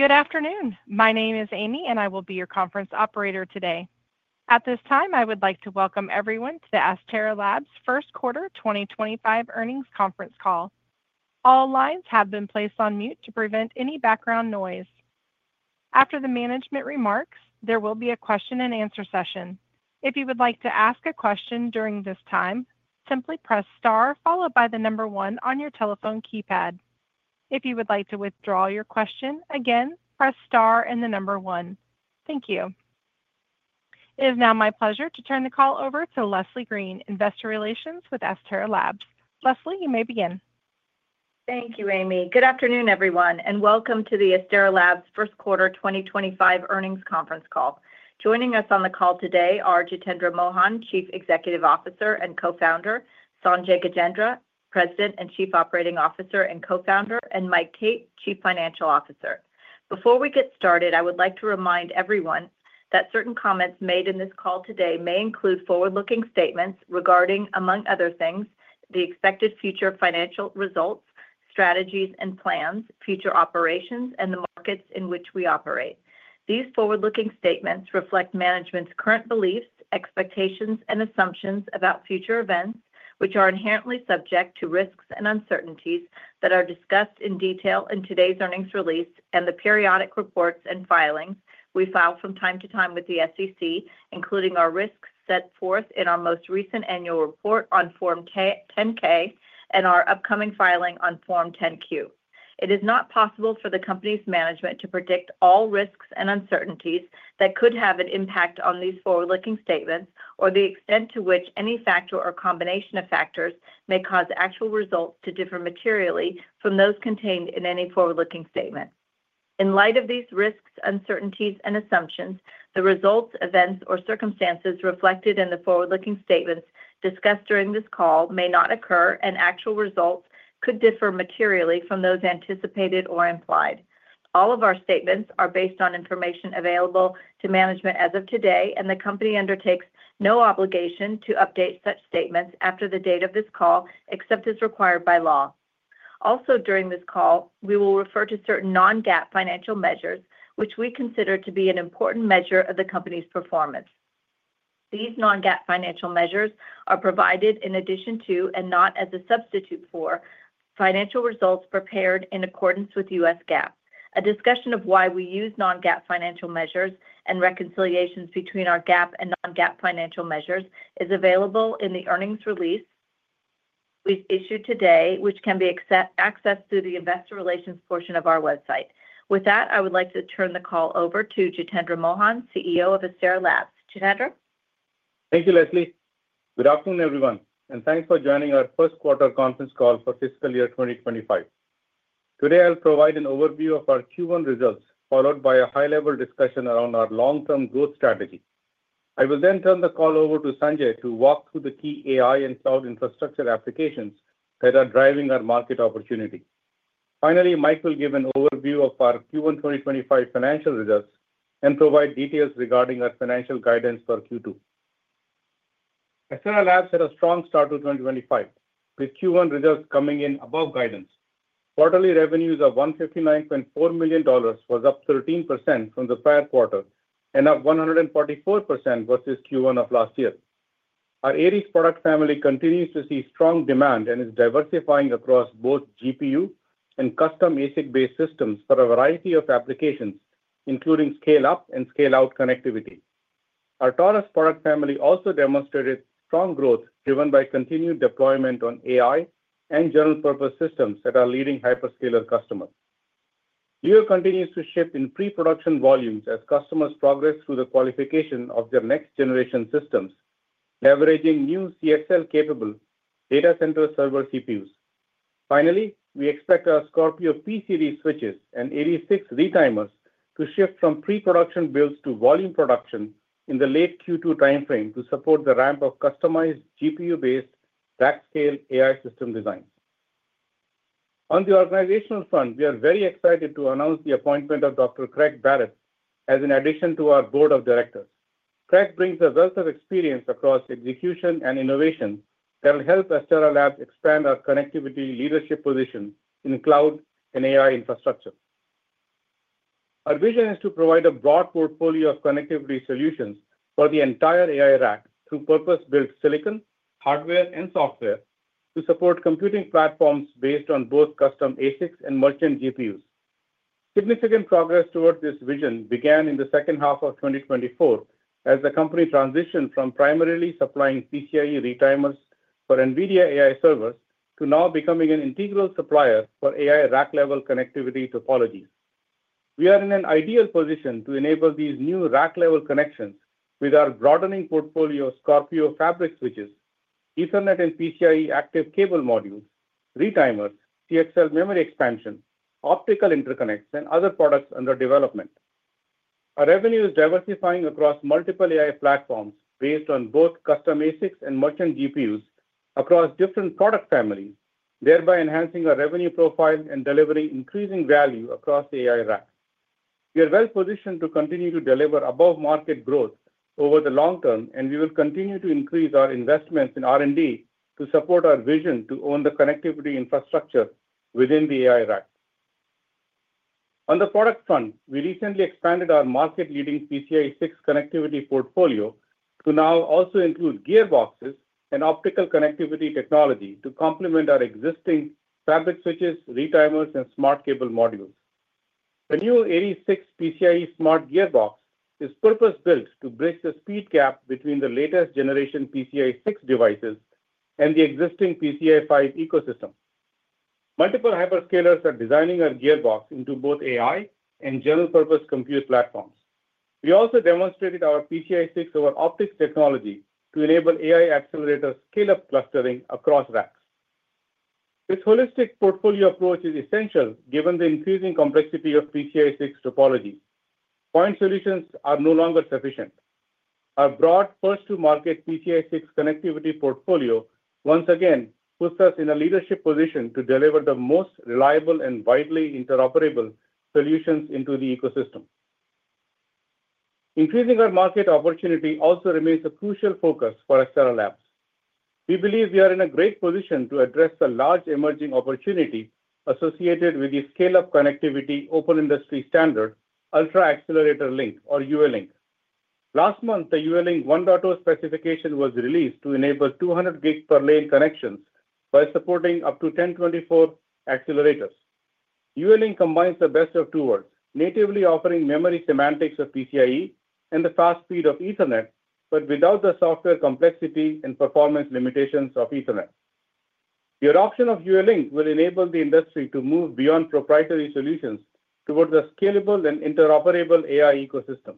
Good afternoon. My name is Amy, and I will be your conference operator today. At this time, I would like to welcome everyone to the Astera Labs first quarter 2025 earnings conference call. All lines have been placed on mute to prevent any background noise. After the management remarks, there will be a question-and-answer session. If you would like to ask a question during this time, simply press star followed by the number one on your telephone keypad. If you would like to withdraw your question again, press star and the number one. Thank you. It is now my pleasure to turn the call over to Leslie Green, Investor Relations with Astera Labs. Leslie, you may begin. Thank you, Amy. Good afternoon, everyone, and welcome to the Astera Labs first quarter 2025 earnings conference call. Joining us on the call today are Jitendra Mohan, Chief Executive Officer and Co-Founder; Sanjay Gajendra, President and Chief Operating Officer and Co-Founder; and Mike Tate, Chief Financial Officer. Before we get started, I would like to remind everyone that certain comments made in this call today may include forward-looking statements regarding, among other things, the expected future financial results, strategies and plans, future operations, and the markets in which we operate. These forward-looking statements reflect management's current beliefs, expectations, and assumptions about future events, which are inherently subject to risks and uncertainties that are discussed in detail in today's earnings release and the periodic reports and filings we file from time to time with the SEC, including our risks set forth in our most recent annual report on Form 10-K and our upcoming filing on Form 10-Q. It is not possible for the company's management to predict all risks and uncertainties that could have an impact on these forward-looking statements or the extent to which any factor or combination of factors may cause actual results to differ materially from those contained in any forward-looking statement. In light of these risks, uncertainties, and assumptions, the results, events, or circumstances reflected in the forward-looking statements discussed during this call may not occur, and actual results could differ materially from those anticipated or implied. All of our statements are based on information available to management as of today, and the company undertakes no obligation to update such statements after the date of this call except as required by law. Also, during this call, we will refer to certain non-GAAP financial measures, which we consider to be an important measure of the company's performance. These non-GAAP financial measures are provided in addition to, and not as a substitute for, financial results prepared in accordance with U.S. GAAP. A discussion of why we use non-GAAP financial measures and reconciliations between our GAAP and non-GAAP financial measures is available in the earnings release we've issued today, which can be accessed through the Investor Relations portion of our website. With that, I would like to turn the call over to Jitendra Mohan, CEO of Astera Labs. Jitendra? Thank you, Leslie. Good afternoon, everyone, and thanks for joining our first quarter conference call for fiscal year 2025. Today, I'll provide an overview of our Q1 results, followed by a high-level discussion around our long-term growth strategy. I will then turn the call over to Sanjay to walk through the key AI and cloud infrastructure applications that are driving our market opportunity. Finally, Mike will give an overview of our Q1 2025 financial results and provide details regarding our financial guidance for Q2. Astera Labs had a strong start to 2025, with Q1 results coming in above guidance. Quarterly revenues of $159.4 million was up 13% from the prior quarter and up 144% versus Q1 of last year. Our Aries product family continues to see strong demand and is diversifying across both GPU and custom ASIC-based systems for a variety of applications, including scale-up and scale-out connectivity. Our Taurus product family also demonstrated strong growth driven by continued deployment on AI and general-purpose systems that are leading hyperscaler customers. Leo continues to ship in pre-production volumes as customers progress through the qualification of their next-generation systems, leveraging new CXL-capable data center server CPUs. Finally, we expect our Scorpio P-Series switches and Aries 6 retimers to shift from pre-production builds to volume production in the late Q2 timeframe to support the ramp of customized GPU-based back-scale AI system designs. On the organizational front, we are very excited to announce the appointment of Dr. Craig Barrett as an addition to our board of directors. Craig brings a wealth of experience across execution and innovation that will help Astera Labs expand our connectivity leadership position in cloud and AI infrastructure. Our vision is to provide a broad portfolio of connectivity solutions for the entire AI rack through purpose-built silicon, hardware, and software to support computing platforms based on both custom ASICs and merchant GPUs. Significant progress toward this vision began in the second half of 2024 as the company transitioned from primarily supplying PCIe retimers for NVIDIA AI servers to now becoming an integral supplier for AI rack-level connectivity topologies. We are in an ideal position to enable these new rack-level connections with our broadening portfolio of Scorpio fabric switches, Ethernet and PCIe active cable modules, retimers, CXL memory expansion, optical interconnects, and other products under development. Our revenue is diversifying across multiple AI platforms based on both custom ASICs and merchant GPUs across different product families, thereby enhancing our revenue profile and delivering increasing value across the AI rack. We are well positioned to continue to deliver above-market growth over the long term, and we will continue to increase our investments in R&D to support our vision to own the connectivity infrastructure within the AI rack. On the product front, we recently expanded our market-leading PCIe 6 connectivity portfolio to now also include gearboxes and optical connectivity technology to complement our existing fabric switches, retimers, and smart cable modules. The new Aries 6 PCIe smart gearbox is purpose-built to bridge the speed gap between the latest generation PCIe 6 devices and the existing PCIe 5 ecosystem. Multiple hyperscalers are designing our gearbox into both AI and general-purpose compute platforms. We also demonstrated our PCIe 6 over optics technology to enable AI accelerator scale-up clustering across racks. This holistic portfolio approach is essential given the increasing complexity of PCIe 6 topologies. Point solutions are no longer sufficient. Our broad first-to-market PCIe 6 connectivity portfolio once again puts us in a leadership position to deliver the most reliable and widely interoperable solutions into the ecosystem. Increasing our market opportunity also remains a crucial focus for Astera Labs. We believe we are in a great position to address the large emerging opportunity associated with the scale-up connectivity open industry standard ultra-accelerator link, or UALink. Last month, the UALink 1.0 specification was released to enable 200 gig per lane connections by supporting up to 1,024 accelerators. UALink combines the best of two worlds: natively offering memory semantics of PCIe and the fast speed of Ethernet, but without the software complexity and performance limitations of Ethernet. The adoption of UALink will enable the industry to move beyond proprietary solutions toward the scalable and interoperable AI ecosystem.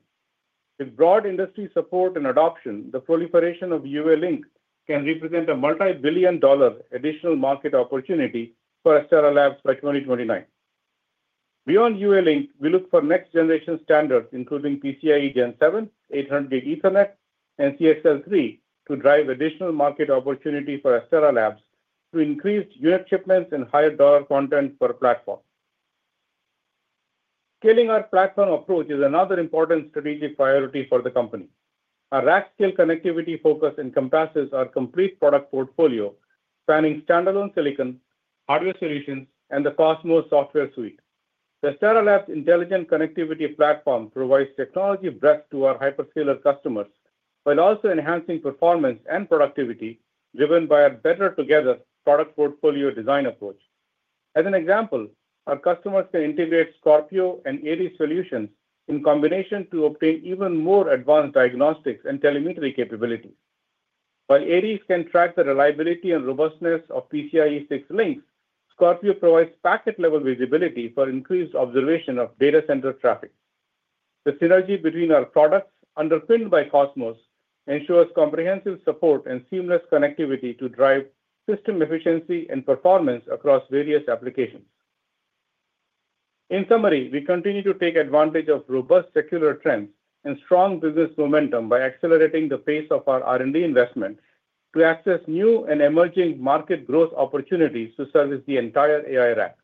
With broad industry support and adoption, the proliferation of UALink can represent a multi-billion dollar additional market opportunity for Astera Labs by 2029. Beyond UALink, we look for next-generation standards, including PCIe Gen 7, 800 gig Ethernet, and CXL 3 to drive additional market opportunity for Astera Labs through increased unit shipments and higher dollar content per platform. Scaling our platform approach is another important strategic priority for the company. Our rack-scale connectivity focus encompasses our complete product portfolio, spanning standalone silicon, hardware solutions, and the COSMOS software suite. The Astera Labs intelligent connectivity platform provides technology breadth to our hyperscaler customers while also enhancing performance and productivity driven by our better-together product portfolio design approach. As an example, our customers can integrate Scorpio and Aries solutions in combination to obtain even more advanced diagnostics and telemetry capabilities. While Aries can track the reliability and robustness of PCIe 6 links, Scorpio provides packet-level visibility for increased observation of data center traffic. The synergy between our products, underpinned by COSMOS, ensures comprehensive support and seamless connectivity to drive system efficiency and performance across various applications. In summary, we continue to take advantage of robust secular trends and strong business momentum by accelerating the pace of our R&D investment to access new and emerging market growth opportunities to service the entire AI rack.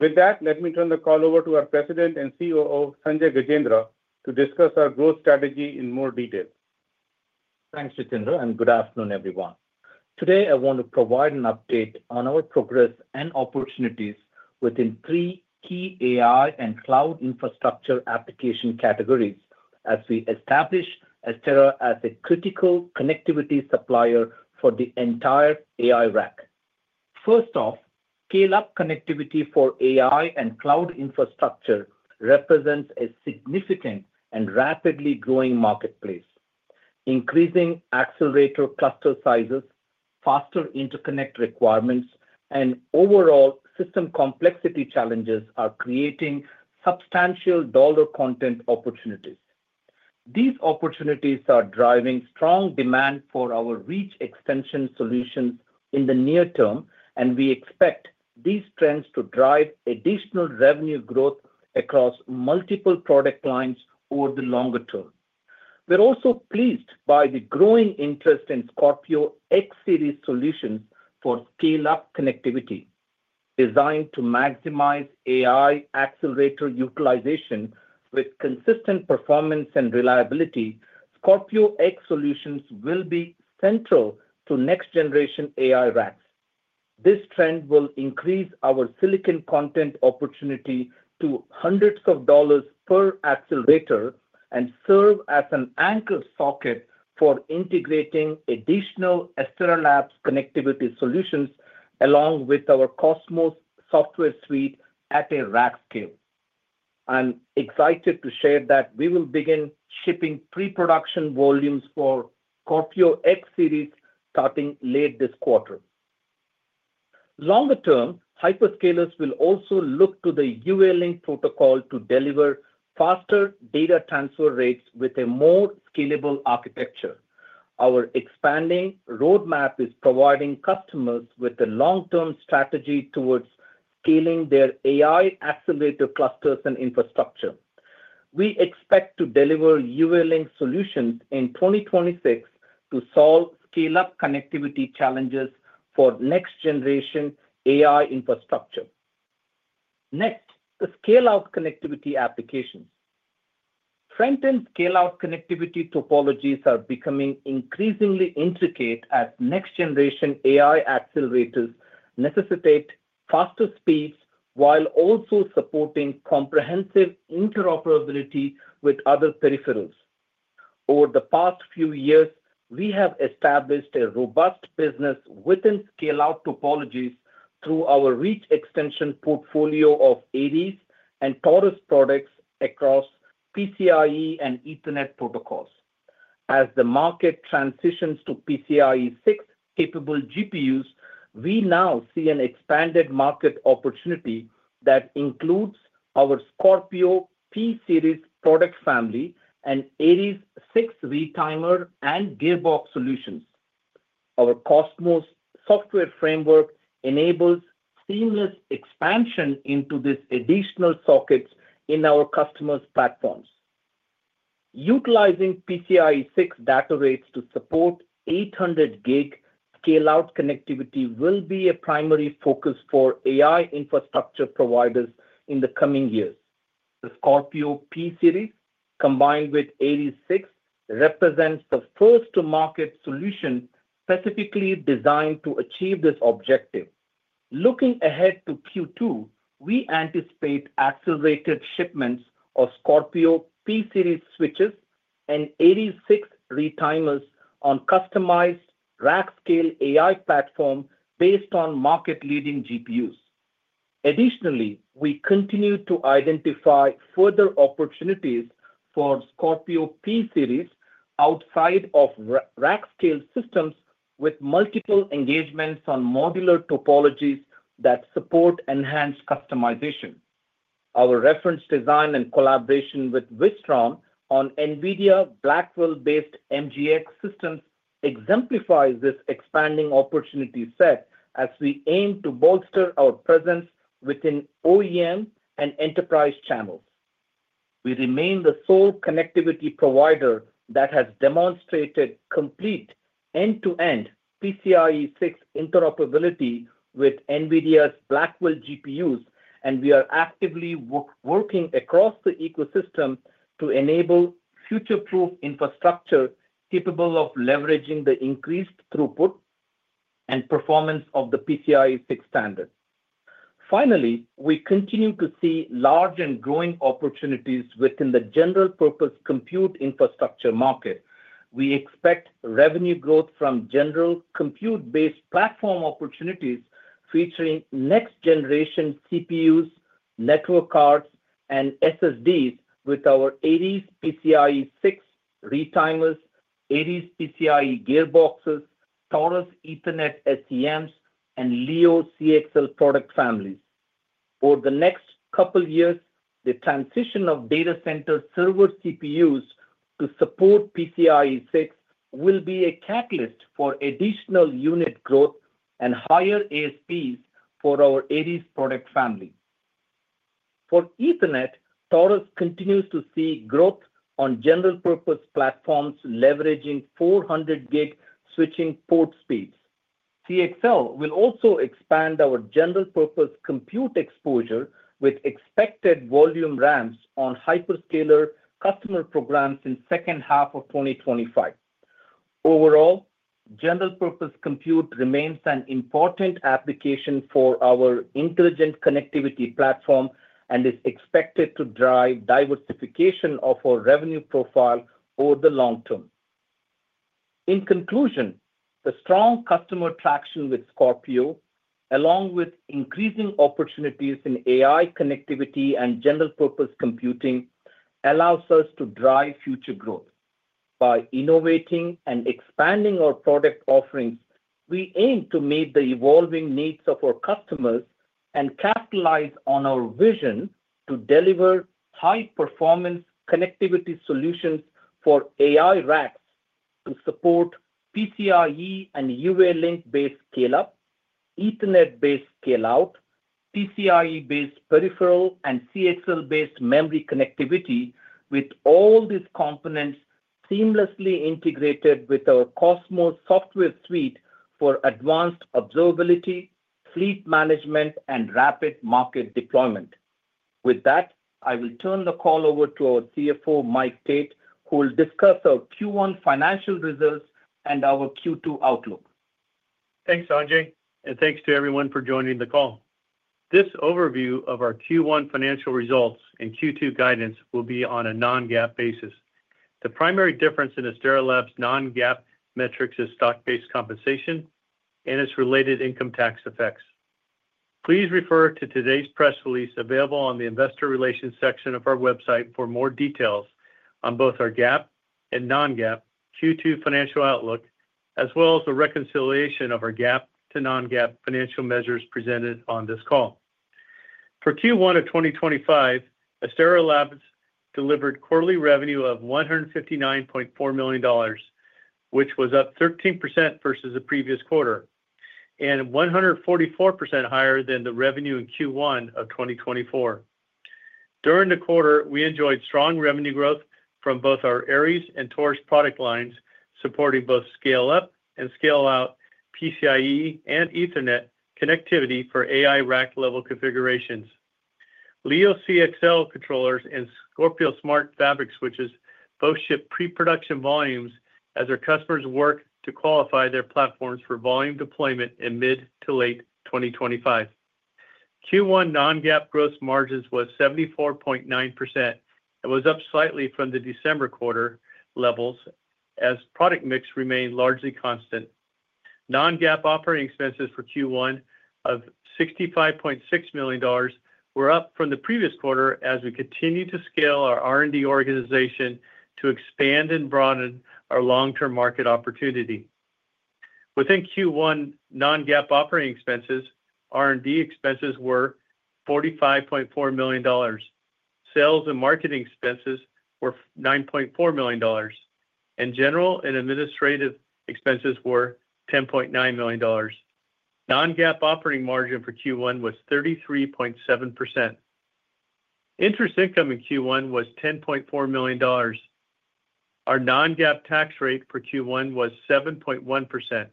With that, let me turn the call over to our President and COO, Sanjay Gajendra, to discuss our growth strategy in more detail. Thanks, Jitendra, and good afternoon, everyone. Today, I want to provide an update on our progress and opportunities within three key AI and cloud infrastructure application categories as we establish Astera as a critical connectivity supplier for the entire AI rack. First off, scale-up connectivity for AI and cloud infrastructure represents a significant and rapidly growing marketplace. Increasing accelerator cluster sizes, faster interconnect requirements, and overall system complexity challenges are creating substantial dollar content opportunities. These opportunities are driving strong demand for our reach extension solutions in the near term, and we expect these trends to drive additional revenue growth across multiple product lines over the longer term. We're also pleased by the growing interest in Scorpio X-Series solutions for scale-up connectivity. Designed to maximize AI accelerator utilization with consistent performance and reliability, Scorpio X-Solutions will be central to next-generation AI racks. This trend will increase our silicon content opportunity to hundreds of dollars per accelerator and serve as an anchor socket for integrating additional Astera Labs connectivity solutions along with our COSMOS software suite at a rack scale. I'm excited to share that we will begin shipping pre-production volumes for Scorpio X-Series starting late this quarter. Longer-term, hyperscalers will also look to the UALink protocol to deliver faster data transfer rates with a more scalable architecture. Our expanding roadmap is providing customers with a long-term strategy towards scaling their AI accelerator clusters and infrastructure. We expect to deliver UALink solutions in 2026 to solve scale-up connectivity challenges for next-generation AI infrastructure. Next, the scale-out connectivity applications. Front-end scale-out connectivity topologies are becoming increasingly intricate as next-generation AI accelerators necessitate faster speeds while also supporting comprehensive interoperability with other peripherals. Over the past few years, we have established a robust business within scale-out topologies through our reach extension portfolio of Aries and Taurus products across PCIe and Ethernet protocols. As the market transitions to PCIe 6 capable GPUs, we now see an expanded market opportunity that includes our Scorpio P series product family and Aries 6 retimer and gearbox solutions. Our COSMOS software framework enables seamless expansion into these additional sockets in our customers' platforms. Utilizing PCIe 6 data rates to support 800 gig scale-out connectivity will be a primary focus for AI infrastructure providers in the coming years. The Scorpio P series, combined with Aries 6, represents the first-to-market solution specifically designed to achieve this objective. Looking ahead to Q2, we anticipate accelerated shipments of Scorpio P series switches and Aries 6 retimers on customized rack-scale AI platform based on market-leading GPUs. Additionally, we continue to identify further opportunities for Scorpio P-Series outside of rack-scale systems with multiple engagements on modular topologies that support enhanced customization. Our reference design and collaboration with Wistron on NVIDIA Blackwell-based MGX systems exemplifies this expanding opportunity set as we aim to bolster our presence within OEM and enterprise channels. We remain the sole connectivity provider that has demonstrated complete end-to-end PCIe 6 interoperability with NVIDIA's Blackwell GPUs, and we are actively working across the ecosystem to enable future-proof infrastructure capable of leveraging the increased throughput and performance of the PCIe 6 standard. Finally, we continue to see large and growing opportunities within the general-purpose compute infrastructure market. We expect revenue growth from general compute-based platform opportunities featuring next-generation CPUs, network cards, and SSDs with our Aries PCIe 6 retimers, Aries PCIe gearboxes, Taurus Ethernet SCMs, and Leo CXL product families. Over the next couple of years, the transition of data center server CPUs to support PCIe 6 will be a catalyst for additional unit growth and higher ASPs for our Aries product family. For Ethernet, Taurus continues to see growth on general-purpose platforms leveraging 400 gig switching port speeds. CXL will also expand our general-purpose compute exposure with expected volume ramps on hyperscaler customer programs in the second half of 2025. Overall, general-purpose compute remains an important application for our intelligent connectivity platform and is expected to drive diversification of our revenue profile over the long term. In conclusion, the strong customer traction with Scorpio, along with increasing opportunities in AI connectivity and general-purpose computing, allows us to drive future growth. By innovating and expanding our product offerings, we aim to meet the evolving needs of our customers and capitalize on our vision to deliver high-performance connectivity solutions for AI racks to support PCIe and UALink-based scale-up, Ethernet-based scale-out, PCIe-based peripheral, and CXL-based memory connectivity, with all these components seamlessly integrated with our COSMOS software suite for advanced observability, fleet management, and rapid market deployment. With that, I will turn the call over to our CFO, Mike Tate, who will discuss our Q1 financial results and our Q2 outlook. Thanks, Sanjay, and thanks to everyone for joining the call. This overview of our Q1 financial results and Q2 guidance will be on a non-GAAP basis. The primary difference in Astera Labs' non-GAAP metrics is stock-based compensation and its related income tax effects. Please refer to today's press release available on the investor relations section of our website for more details on both our GAAP and non-GAAP Q2 financial outlook, as well as the reconciliation of our GAAP to non-GAAP financial measures presented on this call. For Q1 of 2025, Astera Labs delivered quarterly revenue of $159.4 million, which was up 13% versus the previous quarter, and 144% higher than the revenue in Q1 of 2024. During the quarter, we enjoyed strong revenue growth from both our Aries and Taurus product lines supporting both scale-up and scale-out PCIe and Ethernet connectivity for AI rack-level configurations. Leo CXL controllers and Scorpio Smart Fabric switches both ship pre-production volumes as our customers work to qualify their platforms for volume deployment in mid to late 2025. Q1 non-GAAP gross margins were 74.9%. It was up slightly from the December quarter levels as product mix remained largely constant. Non-GAAP operating expenses for Q1 of $65.6 million were up from the previous quarter as we continue to scale our R&D organization to expand and broaden our long-term market opportunity. Within Q1 non-GAAP operating expenses, R&D expenses were $45.4 million. Sales and marketing expenses were $9.4 million. General and administrative expenses were $10.9 million. Non-GAAP operating margin for Q1 was 33.7%. Interest income in Q1 was $10.4 million. Our non-GAAP tax rate for Q1 was 7.1%.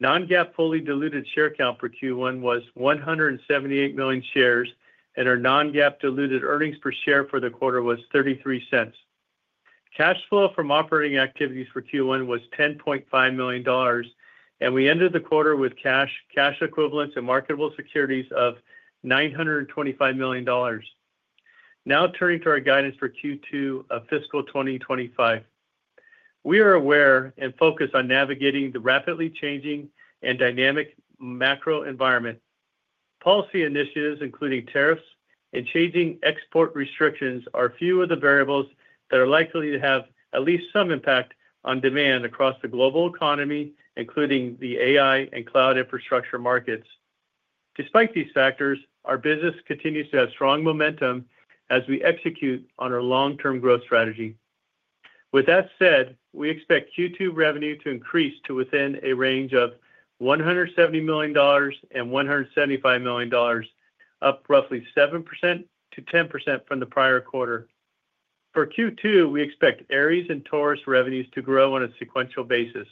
Non-GAAP fully diluted share count for Q1 was 178 million shares, and our non-GAAP diluted earnings per share for the quarter was $0.33. Cash flow from operating activities for Q1 was $10.5 million, and we ended the quarter with cash, cash equivalents, and marketable securities of $925 million. Now turning to our guidance for Q2 of fiscal 2025. We are aware and focused on navigating the rapidly changing and dynamic macro environment. Policy initiatives, including tariffs and changing export restrictions, are a few of the variables that are likely to have at least some impact on demand across the global economy, including the AI and cloud infrastructure markets. Despite these factors, our business continues to have strong momentum as we execute on our long-term growth strategy. With that said, we expect Q2 revenue to increase to within a range of $170 million-$175 million, up roughly 7%-10% from the prior quarter. For Q2, we expect Aries and Taurus revenues to grow on a sequential basis.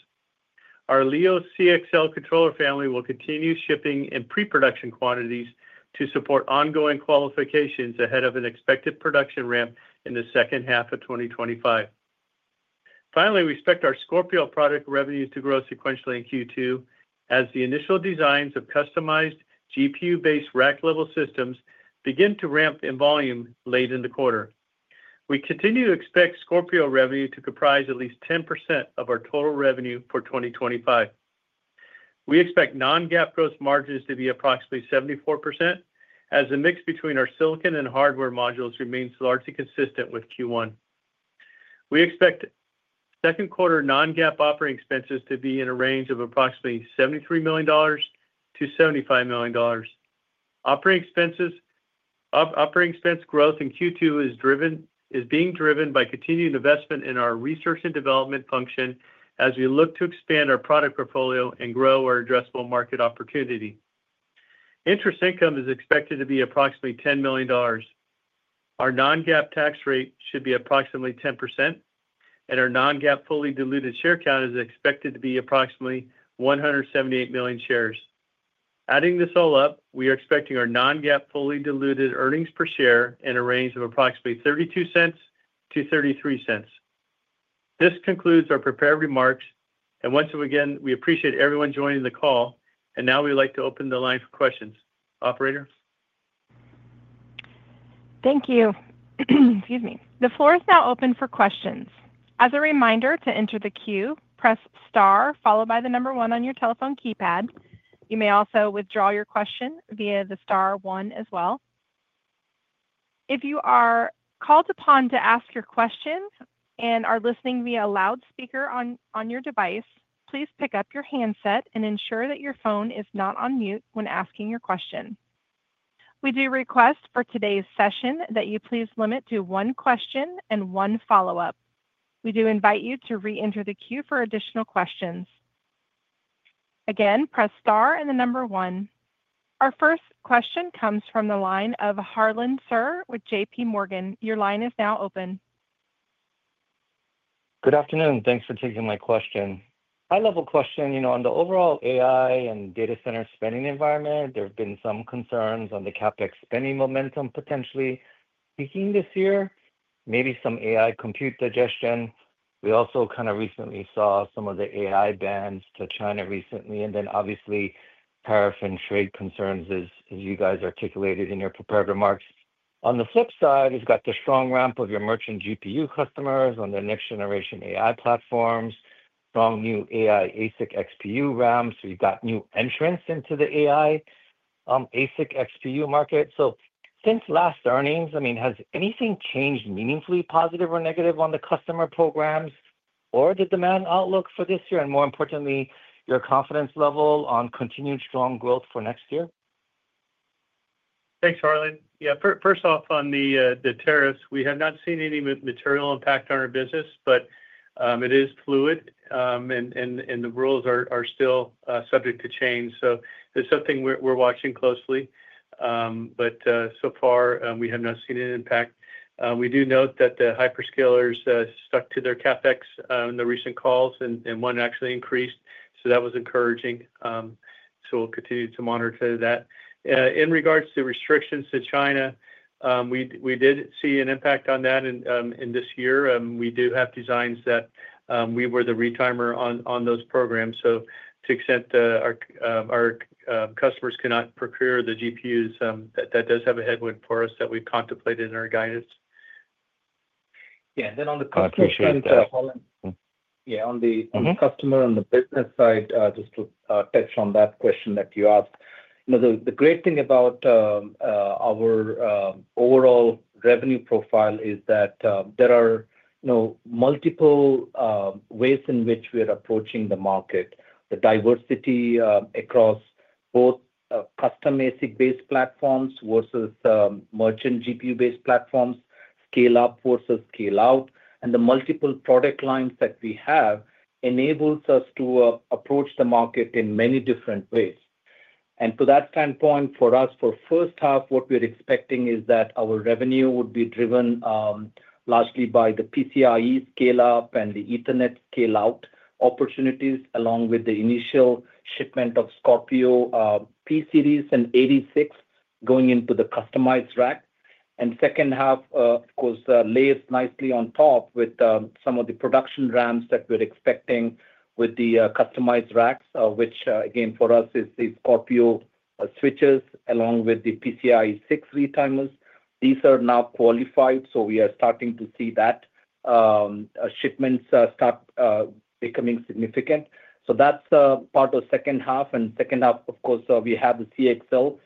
Our Leo CXL controller family will continue shipping in pre-production quantities to support ongoing qualifications ahead of an expected production ramp in the second half of 2025. Finally, we expect our Scorpio product revenues to grow sequentially in Q2 as the initial designs of customized GPU-based rack-level systems begin to ramp in volume late in the quarter. We continue to expect Scorpio revenue to comprise at least 10% of our total revenue for 2025. We expect non-GAAP gross margins to be approximately 74% as the mix between our silicon and hardware modules remains largely consistent with Q1. We expect second quarter non-GAAP operating expenses to be in a range of approximately $73 million-$75 million. Operating expense growth in Q2 is being driven by continued investment in our research and development function as we look to expand our product portfolio and grow our addressable market opportunity. Interest income is expected to be approximately $10 million. Our non-GAAP tax rate should be approximately 10%, and our non-GAAP fully diluted share count is expected to be approximately 178 million shares. Adding this all up, we are expecting our non-GAAP fully diluted earnings per share in a range of approximately $0.32-$0.33. This concludes our prepared remarks, and once again, we appreciate everyone joining the call, and now we'd like to open the line for questions. Operator. Thank you. Excuse me. The floor is now open for questions. As a reminder, to enter the queue, press star followed by the number one on your telephone keypad. You may also withdraw your question via the star one as well. If you are called upon to ask your question and are listening via a loudspeaker on your device, please pick up your handset and ensure that your phone is not on mute when asking your question. We do request for today's session that you please limit to one question and one follow-up. We do invite you to re-enter the queue for additional questions. Again, press Star and the number one. Our first question comes from the line of Harlan Sur with JPMorgan. Your line is now open. Good afternoon. Thanks for taking my question. High-level question. You know, on the overall AI and data center spending environment, there have been some concerns on the CapEx spending momentum potentially peaking this year, maybe some AI compute digestion. We also kind of recently saw some of the AI bans to China recently, and then obviously tariff and trade concerns, as you guys articulated in your prepared remarks. On the flip side, we've got the strong ramp of your merchant GPU customers on the next generation AI platforms, strong new AI ASIC XPU ramp. So you've got new entrants into the AI ASIC XPU market. Since last earnings, I mean, has anything changed meaningfully positive or negative on the customer programs or the demand outlook for this year, and more importantly, your confidence level on continued strong growth for next year? Thanks, Harlan. Yeah, first off, on the tariffs, we have not seen any material impact on our business, but it is fluid, and the rules are still subject to change. It is something we're watching closely. So far, we have not seen an impact. We do note that the hyperscalers stuck to their CapEx in the recent calls, and one actually increased. That was encouraging. We will continue to monitor that. In regards to restrictions to China, we did see an impact on that in this year. We do have designs that we were the retimer on those programs. To the extent our customers cannot procure the GPUs, that does have a headwind for us that we've contemplated in our guidance. Yeah, then on the customer side. I appreciate that, Harlan. Yeah, on the customer and the business side, just to touch on that question that you asked. The great thing about our overall revenue profile is that there are multiple ways in which we are approaching the market, the diversity across both custom ASIC-based platforms versus merchant GPU-based platforms, scale-up versus scale-out, and the multiple product lines that we have enables us to approach the market in many different ways. To that standpoint, for us, for the first half, what we are expecting is that our revenue would be driven largely by the PCIe scale-up and the Ethernet scale-out opportunities, along with the initial shipment of Scorpio P-Series and AD6 going into the customized rack. The second half, of course, layers nicely on top with some of the production ramps that we're expecting with the customized racks, which, again, for us, is the Scorpio switches along with the PCIe 6 retimers. These are now qualified, so we are starting to see that shipments start becoming significant. That is part of the second half. The second half, of course, we have the CXL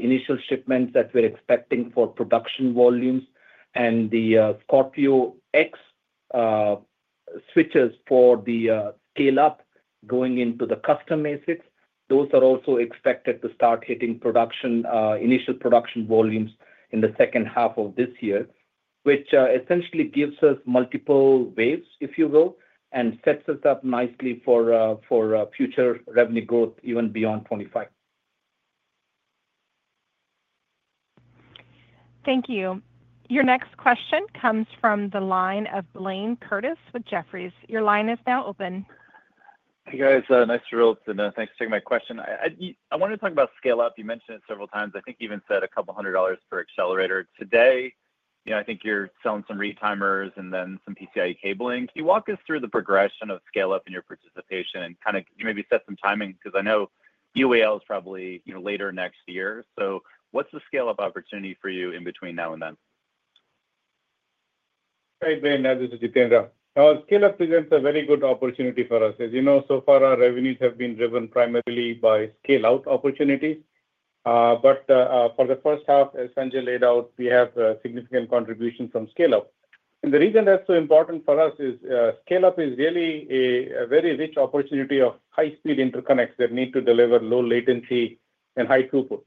initial shipments that we're expecting for production volumes, and the Scorpio X switches for the scale-up going into the custom ASICs. Those are also expected to start hitting initial production volumes in the second half of this year, which essentially gives us multiple waves, if you will, and sets us up nicely for future revenue growth even beyond 2025. Thank you. Your next question comes from the line of Blayne Curtis with Jefferies. Your line is now open. Hey, guys. Nice to be with you, and thanks for taking my question. I wanted to talk about scale-up. You mentioned it several times. I think you even said a couple hundred dollars per accelerator. Today, I think you're selling some retimers and then some PCIe cabling. Can you walk us through the progression of scale-up in your participation and kind of maybe set some timing? Because I know UALink is probably later next year. What is the scale-up opportunity for you in between now and then? Hi, Blayne This is Jitendra. Scale-up presents a very good opportunity for us. As you know, so far, our revenues have been driven primarily by scale-out opportunities. For the first half, as Sanjay laid out, we have a significant contribution from scale-up. The reason that's so important for us is scale-up is really a very rich opportunity of high-speed interconnects that need to deliver low latency and high throughput.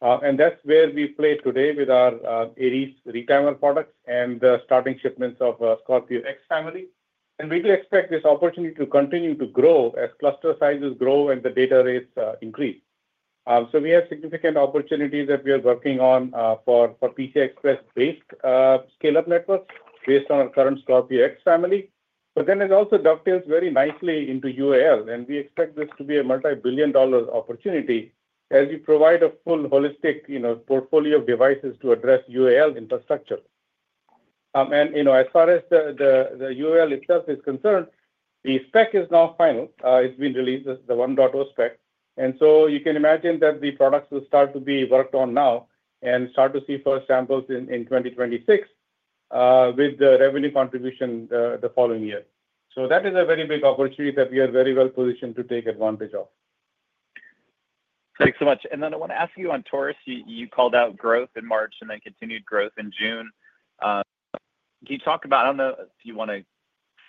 That's where we play today with our Aries retimer products and the starting shipments of Scorpio X family. We do expect this opportunity to continue to grow as cluster sizes grow and the data rates increase. We have significant opportunities that we are working on for PCIe-based scale-up networks based on our current Scorpio X family. It also dovetails very nicely into UALink, and we expect this to be a multi-billion dollar opportunity as we provide a full holistic portfolio of devices to address UALink infrastructure. As far as the UALink itself is concerned, the spec is now final. It has been released, the 1.0 spec. You can imagine that the products will start to be worked on now and start to see first samples in 2026 with the revenue contribution the following year. That is a very big opportunity that we are very well positioned to take advantage of. Thanks so much. I want to ask you on Taurus. You called out growth in March and then continued growth in June. Can you talk about, I do not know if you want to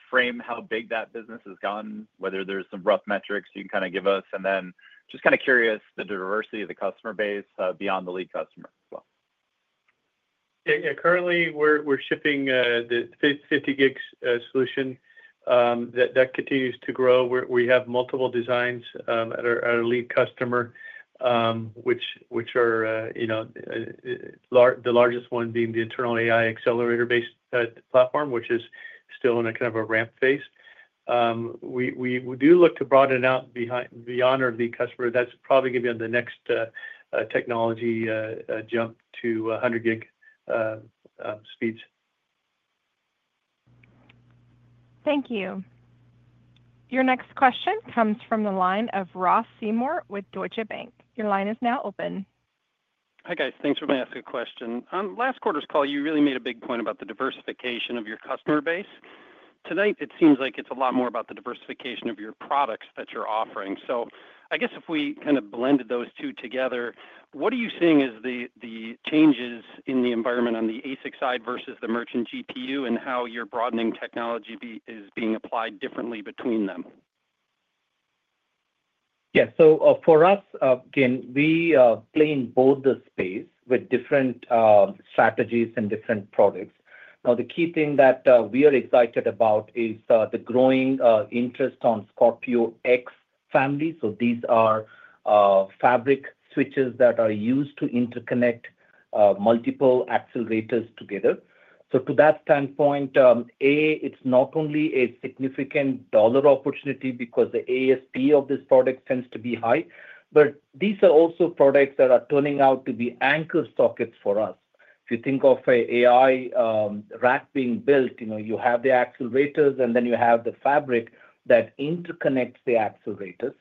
frame how big that business has gotten, whether there are some rough metrics you can kind of give us, and then just kind of curious the diversity of the customer base beyond the lead customer as well. Yeah, currently, we're shipping the 50 gig solution that continues to grow. We have multiple designs at our lead customer, which are the largest one being the internal AI accelerator-based platform, which is still in a kind of a ramp phase. We do look to broaden out beyond our lead customer. That's probably going to be on the next technology jump to 100 gig speeds. Thank you. Your next question comes from the line of Ross Seymore with Deutsche Bank. Your line is now open. Hi, guys. Thanks for asking my question. Last quarter's call, you really made a big point about the diversification of your customer base. Tonight, it seems like it's a lot more about the diversification of your products that you're offering. I guess if we kind of blended those two together, what are you seeing as the changes in the environment on the ASIC side versus the merchant GPU and how your broadening technology is being applied differently between them? Yeah, so for us, again, we play in both the space with different strategies and different products. Now, the key thing that we are excited about is the growing interest on Scorpio X family. These are fabric switches that are used to interconnect multiple accelerators together. To that standpoint, A, it's not only a significant dollar opportunity because the ASP of this product tends to be high, but these are also products that are turning out to be anchor sockets for us. If you think of an AI rack being built, you have the accelerators, and then you have the fabric that interconnects the accelerators.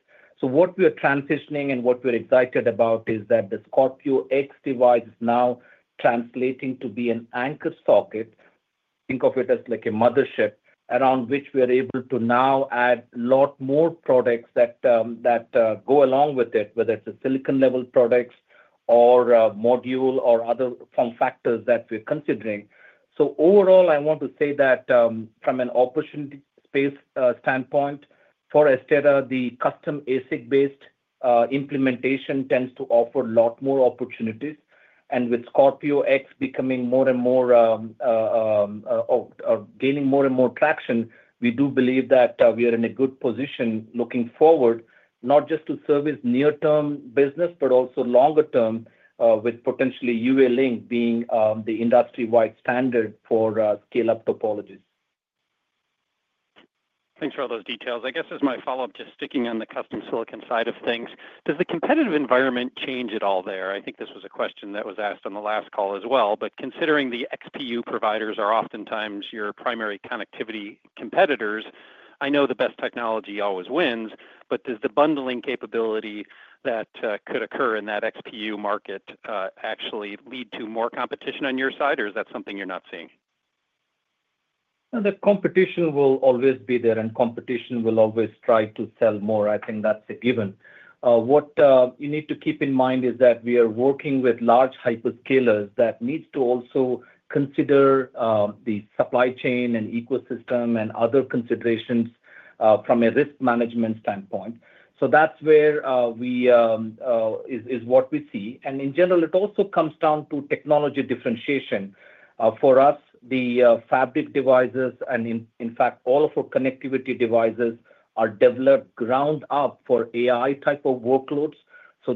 What we are transitioning and what we're excited about is that the Scorpio X device is now translating to be an anchor socket. Think of it as like a mothership around which we are able to now add a lot more products that go along with it, whether it's silicon-level products or module or other form factors that we're considering. Overall, I want to say that from an opportunity space standpoint for Astera Labs, the custom ASIC-based implementation tends to offer a lot more opportunities. With Scorpio X becoming more and more or gaining more and more traction, we do believe that we are in a good position looking forward, not just to service near-term business, but also longer-term with potentially UALink being the industry-wide standard for scale-up topologies. Thanks for all those details. I guess as my follow-up, just sticking on the custom silicon side of things, does the competitive environment change at all there? I think this was a question that was asked on the last call as well. Considering the XPU providers are oftentimes your primary connectivity competitors, I know the best technology always wins, but does the bundling capability that could occur in that XPU market actually lead to more competition on your side, or is that something you're not seeing? The competition will always be there, and competition will always try to sell more. I think that's a given. What you need to keep in mind is that we are working with large hyperscalers that need to also consider the supply chain and ecosystem and other considerations from a risk management standpoint. That is what we see. In general, it also comes down to technology differentiation. For us, the fabric devices and, in fact, all of our connectivity devices are developed ground-up for AI type of workloads.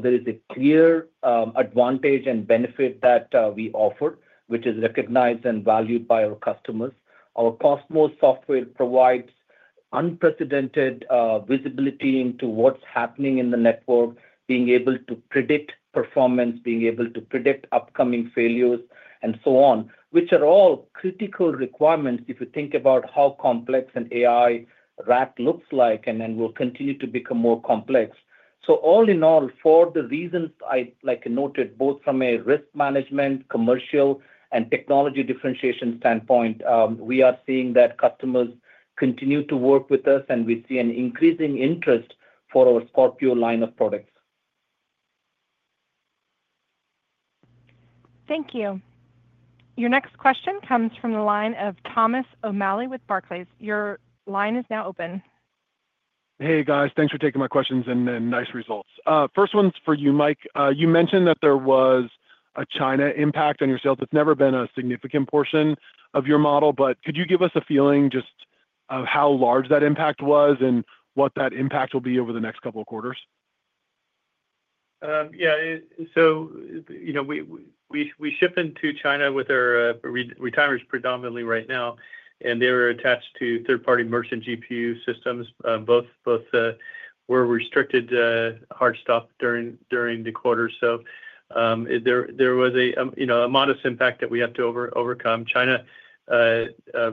There is a clear advantage and benefit that we offer, which is recognized and valued by our customers. Our COSMOS software provides unprecedented visibility into what's happening in the network, being able to predict performance, being able to predict upcoming failures, and so on, which are all critical requirements if you think about how complex an AI rack looks like and will continue to become more complex. All in all, for the reasons I noted, both from a risk management, commercial, and technology differentiation standpoint, we are seeing that customers continue to work with us, and we see an increasing interest for our Scorpio line of products. Thank you. Your next question comes from the line of Thomas O'Malley with Barclays. Your line is now open. Hey, guys. Thanks for taking my questions and nice results. First one's for you, Mike. You mentioned that there was a China impact on your sales. It's never been a significant portion of your model, but could you give us a feeling just of how large that impact was and what that impact will be over the next couple of quarters? Yeah. We ship into China with our retimers predominantly right now, and they were attached to third-party merchant GPU systems. Both were restricted hard stop during the quarter. There was a modest impact that we had to overcome. China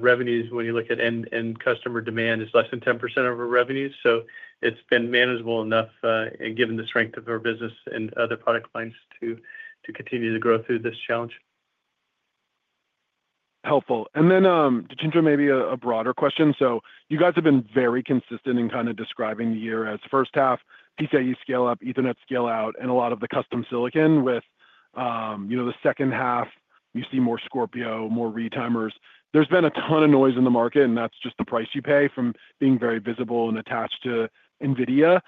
revenues, when you look at end customer demand, is less than 10% of our revenues. It's been manageable enough, given the strength of our business and other product lines, to continue to grow through this challenge. Helpful. Jitendra, maybe a broader question. You guys have been very consistent in kind of describing the year as first half, PCIe scale-up, Ethernet scale-out, and a lot of the custom silicon. With the second half, you see more Scorpio, more retimers. There has been a ton of noise in the market, and that is just the price you pay from being very visible and attached to NVIDIA.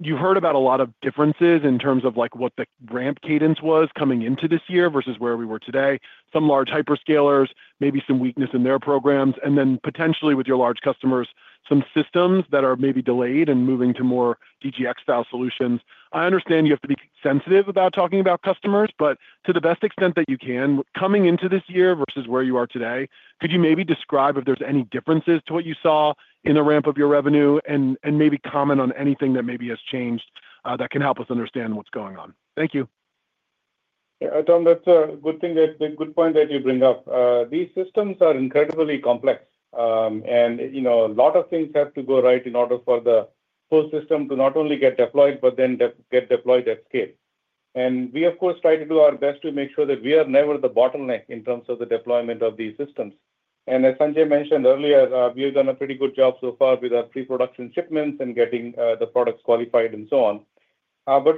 You heard about a lot of differences in terms of what the ramp cadence was coming into this year versus where we were today. Some large hyperscalers, maybe some weakness in their programs, and then potentially with your large customers, some systems that are maybe delayed and moving to more DGX-style solutions. I understand you have to be sensitive about talking about customers, but to the best extent that you can, coming into this year versus where you are today, could you maybe describe if there's any differences to what you saw in the ramp of your revenue and maybe comment on anything that maybe has changed that can help us understand what's going on? Thank you. Yeah, Tom, that's a good point that you bring up. These systems are incredibly complex, and a lot of things have to go right in order for the whole system to not only get deployed but then get deployed at scale. We, of course, try to do our best to make sure that we are never the bottleneck in terms of the deployment of these systems. As Sanjay mentioned earlier, we have done a pretty good job so far with our pre-production shipments and getting the products qualified and so on.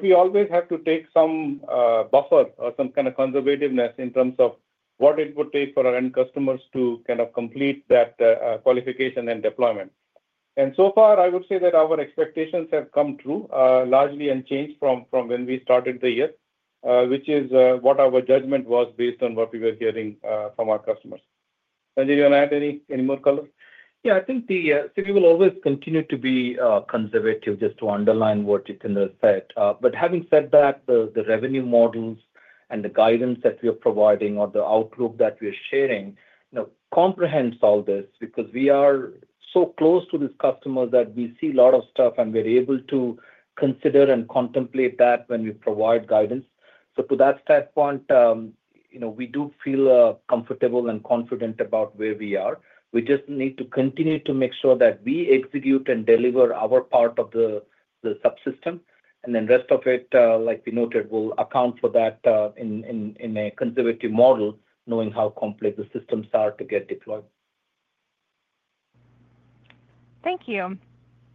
We always have to take some buffer or some kind of conservativeness in terms of what it would take for our end customers to kind of complete that qualification and deployment. I would say that our expectations have come true largely unchanged from when we started the year, which is what our judgment was based on what we were hearing from our customers. Sanjay, do you want to add any more color? Yeah, I think Citi will always continue to be conservative, just to underline what Jitendra said. Having said that, the revenue models and the guidance that we are providing or the outlook that we are sharing comprehends all this because we are so close to these customers that we see a lot of stuff, and we're able to consider and contemplate that when we provide guidance. To that standpoint, we do feel comfortable and confident about where we are. We just need to continue to make sure that we execute and deliver our part of the subsystem, and then the rest of it, like we noted, will account for that in a conservative model, knowing how complex the systems are to get deployed. Thank you.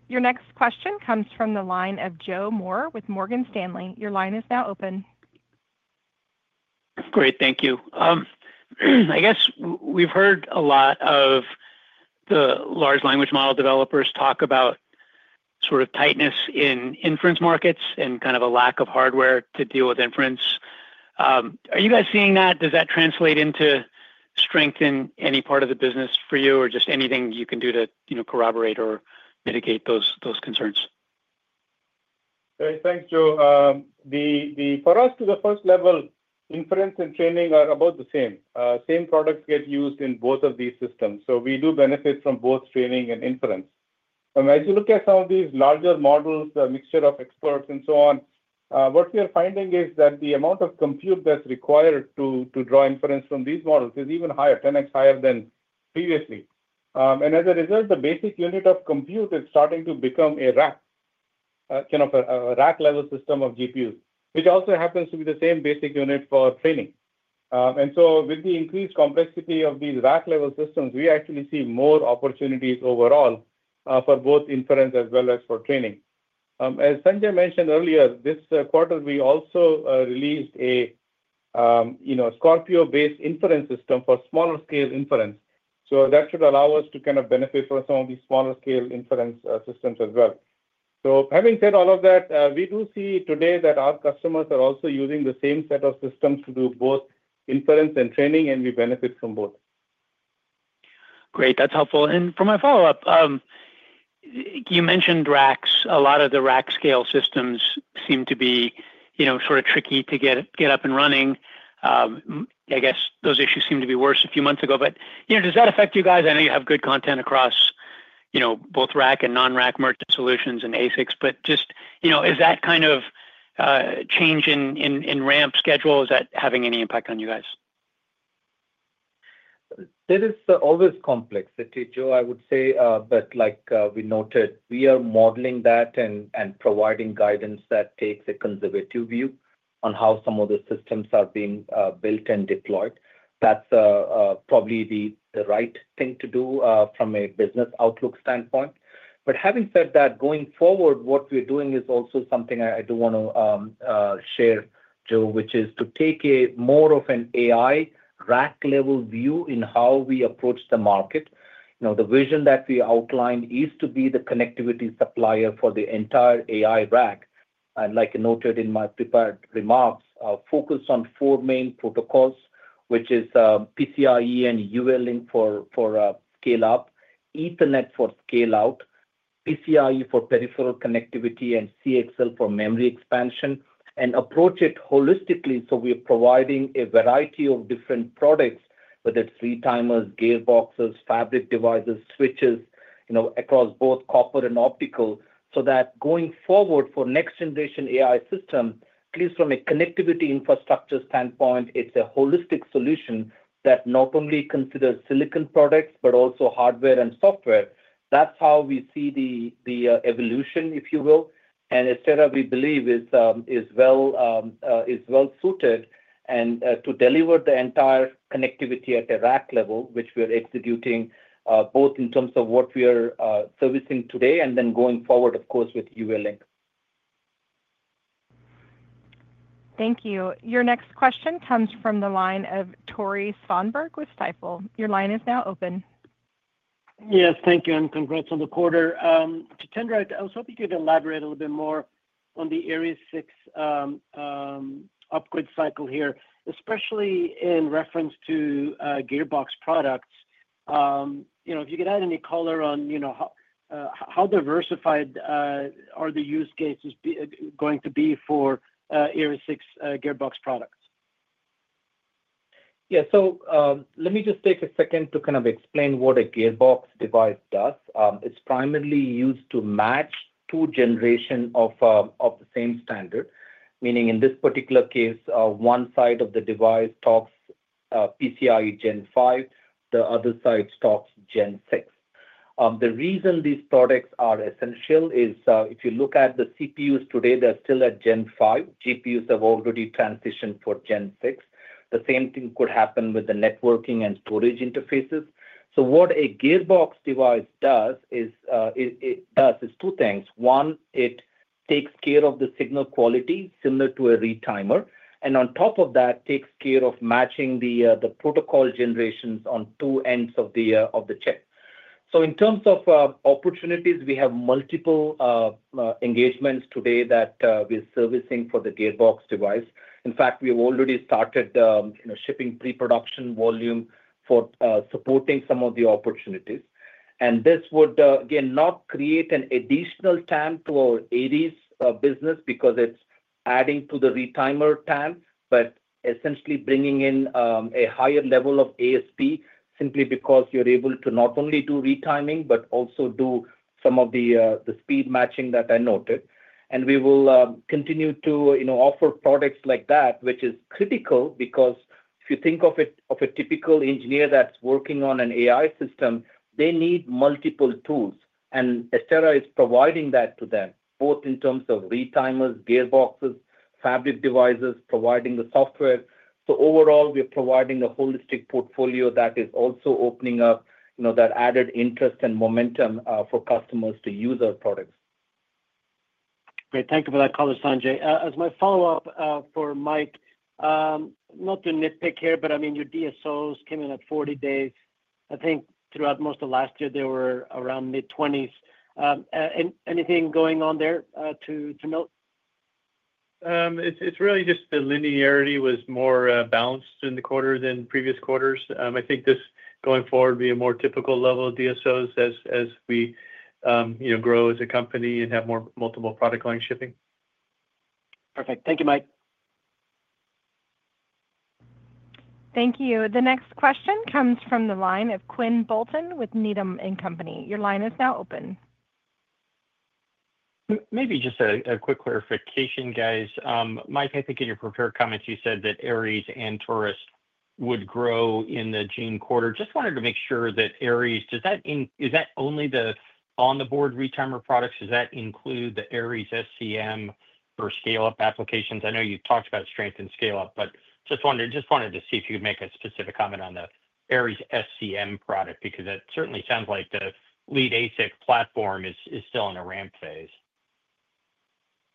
Your next question comes from the line of Joe Moore with Morgan Stanley. Your line is now open. Great. Thank you. I guess we've heard a lot of the large language model developers talk about sort of tightness in inference markets and kind of a lack of hardware to deal with inference. Are you guys seeing that? Does that translate into strength in any part of the business for you or just anything you can do to corroborate or mitigate those concerns? Thanks, Joe. For us, to the first level, inference and training are about the same. Same products get used in both of these systems. We do benefit from both training and inference. As you look at some of these larger models, the mixture of experts and so on, what we are finding is that the amount of compute that's required to draw inference from these models is even higher, 10x higher than previously. As a result, the basic unit of compute is starting to become a rack, kind of a rack-level system of GPUs, which also happens to be the same basic unit for training. With the increased complexity of these rack-level systems, we actually see more opportunities overall for both inference as well as for training. As Sanjay mentioned earlier, this quarter, we also released a Scorpio-based inference system for smaller-scale inference. That should allow us to kind of benefit from some of these smaller-scale inference systems as well. Having said all of that, we do see today that our customers are also using the same set of systems to do both inference and training, and we benefit from both. Great. That's helpful. For my follow-up, you mentioned racks. A lot of the rack-scale systems seem to be sort of tricky to get up and running. I guess those issues seemed to be worse a few months ago. Does that affect you guys? I know you have good content across both rack and non-rack merchant solutions and ASICs, but just is that kind of change in ramp schedule, is that having any impact on you guys? There is always complexity, Joe, I would say. Like we noted, we are modeling that and providing guidance that takes a conservative view on how some of the systems are being built and deployed. That is probably the right thing to do from a business outlook standpoint. Having said that, going forward, what we are doing is also something I do want to share, Joe, which is to take more of an AI rack-level view in how we approach the market. The vision that we outlined is to be the connectivity supplier for the entire AI rack. Like I noted in my prepared remarks, focus on four main protocols, which are PCIe and UALink for scale-up, Ethernet for scale-out, PCIe for peripheral connectivity, and CXL for memory expansion, and approach it holistically. We are providing a variety of different products, whether it's retimers, gearboxes, fabric devices, switches across both copper and optical, so that going forward for next-generation AI systems, at least from a connectivity infrastructure standpoint, it's a holistic solution that not only considers silicon products but also hardware and software. That's how we see the evolution, if you will. Astera, we believe, is well-suited to deliver the entire connectivity at a rack level, which we are executing both in terms of what we are servicing today and then going forward, of course, with UALink. Thank you. Your next question comes from the line of Tore Svanberg with Stifel. Your line is now open. Yes, thank you. Congratulations on the quarter. Jitendra, I was hoping you could elaborate a little bit more on the Ares 6 upgrade cycle here, especially in reference to gearbox products. If you could add any color on how diversified are the use cases going to be for Ares 6 gearbox products? Yeah. Let me just take a second to kind of explain what a gearbox device does. It's primarily used to match two generations of the same standard, meaning in this particular case, one side of the device talks PCIe Gen 5, the other side talks Gen 6. The reason these products are essential is if you look at the CPUs today, they're still at Gen 5. GPUs have already transitioned for Gen 6. The same thing could happen with the networking and storage interfaces. What a gearbox device does is it does two things. One, it takes care of the signal quality similar to a retimer. On top of that, it takes care of matching the protocol generations on two ends of the chip. In terms of opportunities, we have multiple engagements today that we're servicing for the gearbox device. In fact, we have already started shipping pre-production volume for supporting some of the opportunities. This would, again, not create an additional time to our AD's business because it's adding to the retimer time, but essentially bringing in a higher level of ASP simply because you're able to not only do retiming but also do some of the speed matching that I noted. We will continue to offer products like that, which is critical because if you think of a typical engineer that's working on an AI system, they need multiple tools, and Astera is providing that to them, both in terms of retimers, gearboxes, fabric devices, providing the software. Overall, we're providing a holistic portfolio that is also opening up that added interest and momentum for customers to use our products. Great. Thank you for that color, Sanjay. As my follow-up for Mike, not to nitpick here, but I mean, your DSOs came in at 40 days. I think throughout most of the last year, they were around mid-20s. Anything going on there to note? It's really just the linearity was more balanced in the quarter than previous quarters. I think this going forward will be a more typical level of DSOs as we grow as a company and have more multiple product line shipping. Perfect. Thank you, Mike. Thank you. The next question comes from the line of Quinn Bolton with Needham & Company. Your line is now open. Maybe just a quick clarification, guys. Mike, I think in your prepared comments, you said that Ares and Taurus would grow in the June quarter. Just wanted to make sure that Ares, is that only the on-the-board retimer products? Does that include the Ares SCM for scale-up applications? I know you've talked about strength in scale-up, but just wanted to see if you could make a specific comment on the Ares SCM product because that certainly sounds like the lead ASIC platform is still in a ramp phase.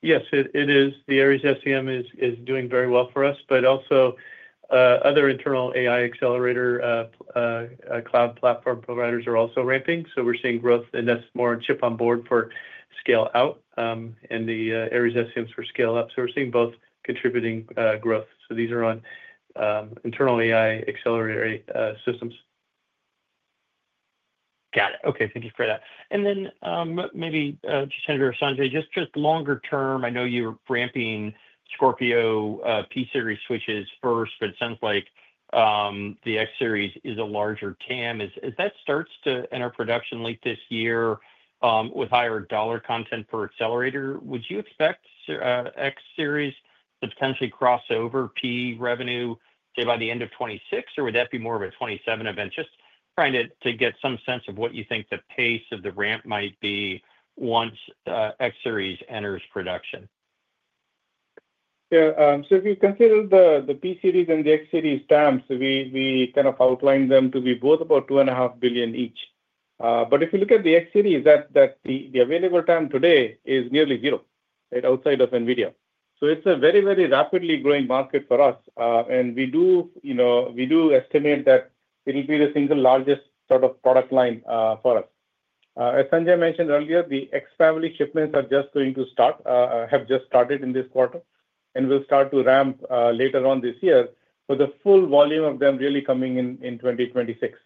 Yes, it is. The Aries SCM is doing very well for us, but also other internal AI accelerator cloud platform providers are also ramping. We are seeing growth, and that's more chip on board for scale-out and the Aries SCMs for scale-up. We are seeing both contributing growth. These are on internal AI accelerator systems. Got it. Okay. Thank you for that. Maybe, Jitendra or Sanjay, just longer term, I know you were ramping Scorpio P-Series switches first, but it sounds like the X-Series is a larger TAM. As that starts to enter production late this year with higher dollar content per accelerator, would you expect X-Series to potentially cross over P revenue, say, by the end of 2026, or would that be more of a 2027 event? Just trying to get some sense of what you think the pace of the ramp might be once X-Series enters production. Yeah. If you consider the P-Series and the X-Series TAMs, we kind of outlined them to be both about $2.5 billion each. If you look at the X-Series, the available TAM today is nearly zero, right, outside of NVIDIA. It is a very, very rapidly growing market for us. We do estimate that it will be the single largest sort of product line for us. As Sanjay mentioned earlier, the X Family shipments are just going to start, have just started in this quarter, and will start to ramp later on this year for the full volume of them really coming in 2026.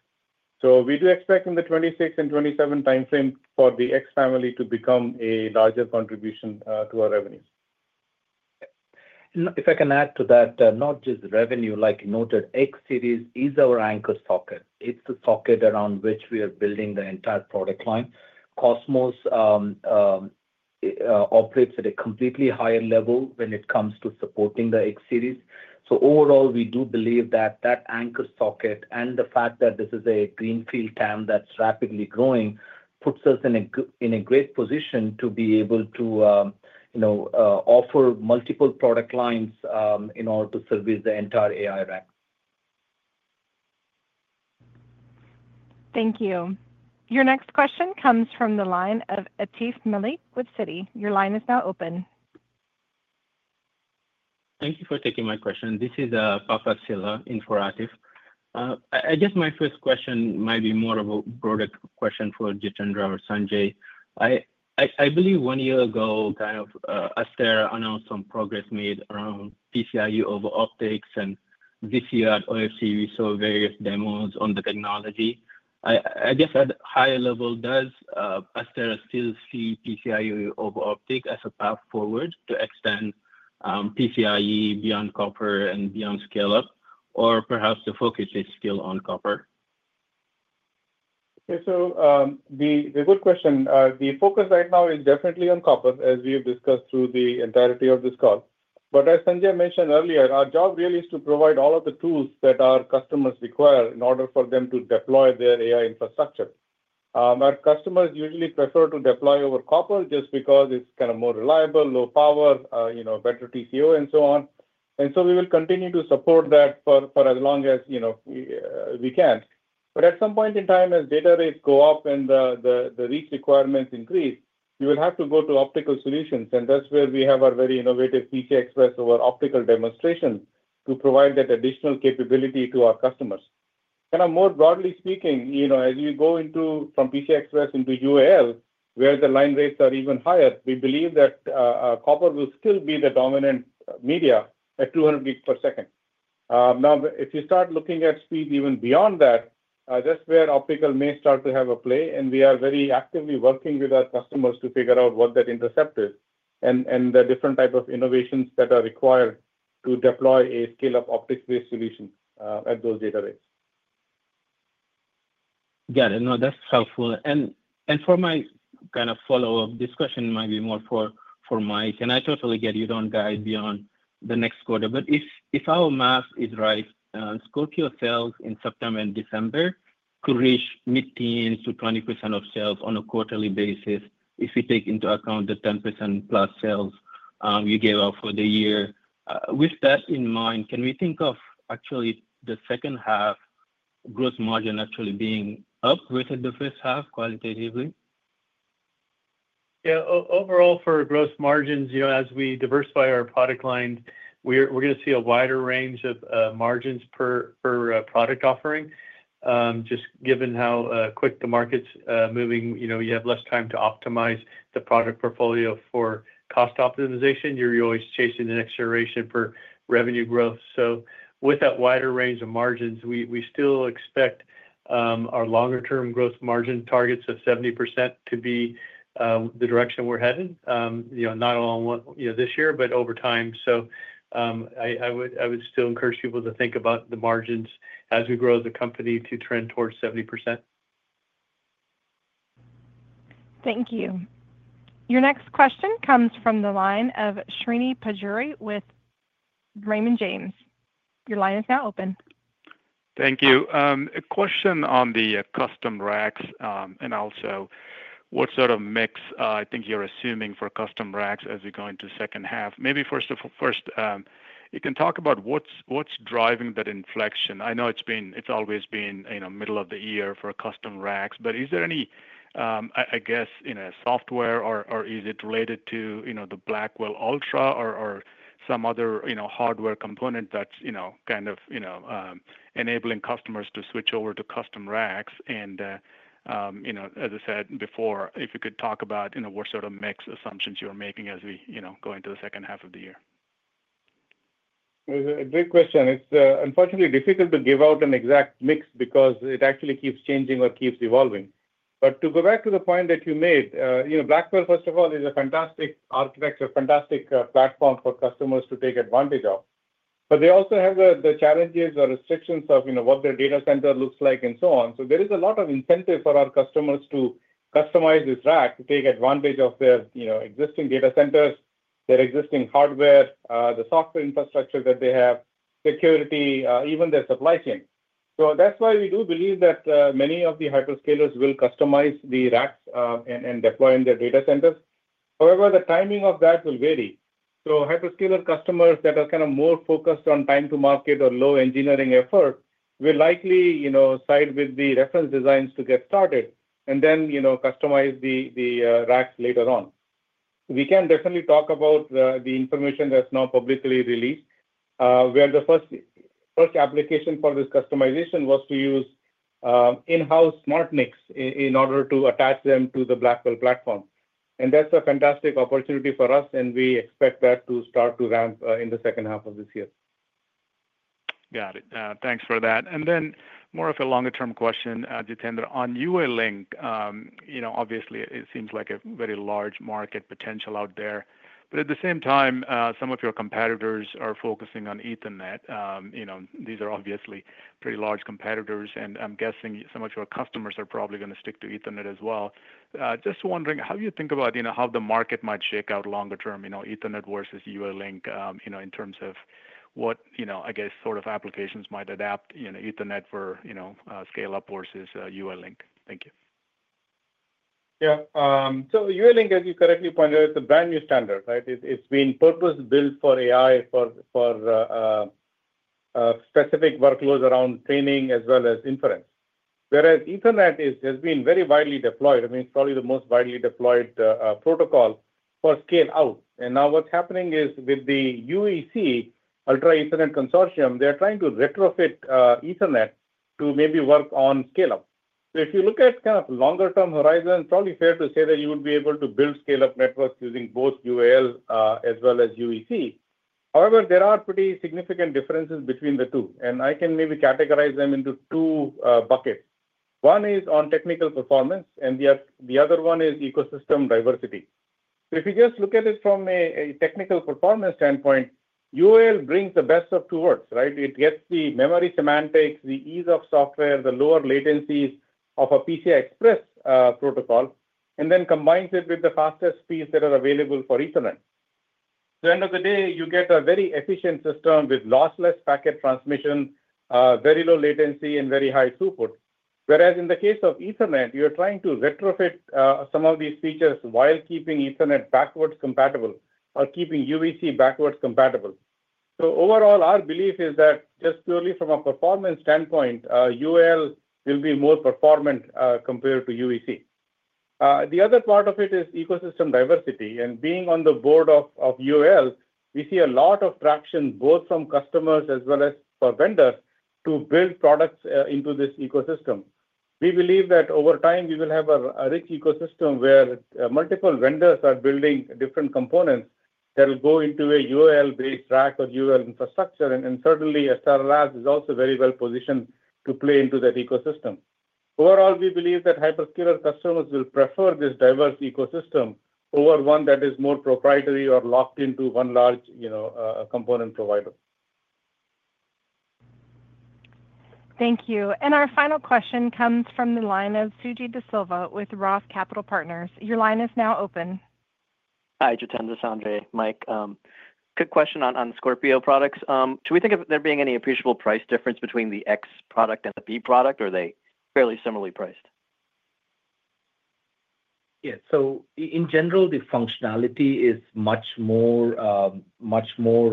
We do expect in the 2026 and 2027 timeframe for the X Family to become a larger contribution to our revenues. If I can add to that, not just revenue, like you noted, X-Series is our anchor socket. It's the socket around which we are building the entire product line. COSMOS operates at a completely higher level when it comes to supporting the X-Series. Overall, we do believe that that anchor socket and the fact that this is a greenfield TAM that's rapidly growing puts us in a great position to be able to offer multiple product lines in order to service the entire AI rack. Thank you. Your next question comes from the line of Atif Malik with Citi. Your line is now open. Thank you for taking my question. This is Papa Sylla in for Atif. I guess my first question might be more of a broader question for Jitendra or Sanjay. I believe one year ago, kind of Astera announced some progress made around PCIe over optics, and this year at OFC, we saw various demos on the technology. I guess at a higher level, does Astera still see PCIe over optic as a path forward to extend PCIe beyond copper and beyond scale-up, or perhaps the focus is still on copper? The good question, the focus right now is definitely on copper, as we have discussed through the entirety of this call. As Sanjay mentioned earlier, our job really is to provide all of the tools that our customers require in order for them to deploy their AI infrastructure. Our customers usually prefer to deploy over copper just because it is kind of more reliable, low power, better TCO, and so on. We will continue to support that for as long as we can. At some point in time, as data rates go up and the reach requirements increase, you will have to go to optical solutions. That is where we have our very innovative PCIe over optical demonstration to provide that additional capability to our customers. Kind of more broadly speaking, as you go from PCI Express into UALink, where the line rates are even higher, we believe that copper will still be the dominant media at 200 gig per second. Now, if you start looking at speed even beyond that, that's where optical may start to have a play. We are very actively working with our customers to figure out what that intercept is and the different types of innovations that are required to deploy a scale-up optics-based solution at those data rates. Got it. No, that's helpful. For my kind of follow-up, this question might be more for Mike. I totally get you don't guide beyond the next quarter. If our math is right, Scorpio sales in September and December could reach mid-teens to 20% of sales on a quarterly basis if we take into account the 10%+ sales you gave out for the year. With that in mind, can we think of actually the second half gross margin actually being up versus the first half qualitatively? Yeah. Overall, for gross margins, as we diversify our product line, we're going to see a wider range of margins per product offering. Just given how quick the market's moving, you have less time to optimize the product portfolio for cost optimization. You're always chasing the next generation for revenue growth. With that wider range of margins, we still expect our longer-term gross margin targets of 70% to be the direction we're heading, not only this year but over time. I would still encourage people to think about the margins as we grow as a company to trend towards 70%. Thank you. Your next question comes from the line of Srini Pajjuri with Raymond James. Your line is now open. Thank you. A question on the custom racks and also what sort of mix I think you're assuming for custom racks as we go into the second half. Maybe first, you can talk about what's driving that inflection. I know it's always been middle of the year for custom racks, but is there any, I guess, in a software, or is it related to the Blackwell Ultra or some other hardware component that's kind of enabling customers to switch over to custom racks? As I said before, if you could talk about what sort of mix assumptions you're making as we go into the second half of the year. It's a great question. It's unfortunately difficult to give out an exact mix because it actually keeps changing or keeps evolving. To go back to the point that you made, Blackwell, first of all, is a fantastic architecture, fantastic platform for customers to take advantage of. They also have the challenges or restrictions of what their data center looks like and so on. There is a lot of incentive for our customers to customize this rack to take advantage of their existing data centers, their existing hardware, the software infrastructure that they have, security, even their supply chain. That's why we do believe that many of the hyperscalers will customize the racks and deploy in their data centers. However, the timing of that will vary. Hyperscaler customers that are kind of more focused on time to market or low engineering effort will likely side with the reference designs to get started and then customize the racks later on. We can definitely talk about the information that's now publicly released, where the first application for this customization was to use in-house smart NICs in order to attach them to the Blackwell platform. That's a fantastic opportunity for us, and we expect that to start to ramp in the second half of this year. Got it. Thanks for that. More of a longer-term question, Jitendra. On UALink, obviously, it seems like a very large market potential out there. At the same time, some of your competitors are focusing on Ethernet. These are obviously pretty large competitors, and I'm guessing some of your customers are probably going to stick to Ethernet as well. Just wondering, how do you think about how the market might shake out longer-term, Ethernet versus UALink in terms of what, I guess, sort of applications might adapt Ethernet for scale-up versus UALink? Thank you. Yeah. UALink, as you correctly pointed out, it's a brand new standard, right? It's been purpose-built for AI, for specific workloads around training as well as inference. I mean, Ethernet has been very widely deployed. It's probably the most widely deployed protocol for scale-out. Now what's happening is with the UEC, Ultra Ethernet Consortium, they're trying to retrofit Ethernet to maybe work on scale-up. If you look at kind of longer-term horizon, it's probably fair to say that you would be able to build scale-up networks using both UAL as well as UEC. However, there are pretty significant differences between the two. I can maybe categorize them into two buckets. One is on technical performance, and the other one is ecosystem diversity. If you just look at it from a technical performance standpoint, UAL brings the best of two worlds, right? It gets the memory semantics, the ease of software, the lower latencies of a PCIe protocol, and then combines it with the fastest speeds that are available for Ethernet. At the end of the day, you get a very efficient system with lossless packet transmission, very low latency, and very high throughput. Whereas in the case of Ethernet, you're trying to retrofit some of these features while keeping Ethernet backwards compatible or keeping UALink backwards compatible. Overall, our belief is that just purely from a performance standpoint, UALink will be more performant compared to UEC. The other part of it is ecosystem diversity. Being on the board of UALink, we see a lot of traction both from customers as well as for vendors to build products into this ecosystem. We believe that over time, we will have a rich ecosystem where multiple vendors are building different components that will go into a UALink-based rack or UALink infrastructure. Certainly, Astera Labs is also very well positioned to play into that ecosystem. Overall, we believe that hyperscaler customers will prefer this diverse ecosystem over one that is more proprietary or locked into one large component provider. Thank you. Our final question comes from the line of Suji Desilva with ROTH Capital Partners. Your line is now open. Hi, Jitendra, Sanjay, Mike. Quick question on Scorpio products. Should we think of there being any appreciable price difference between the X product and the B product, or are they fairly similarly priced? Yeah. In general, the functionality is much more